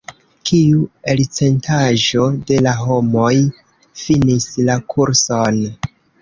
Kiu elcentaĵo de la homoj finis la kurson?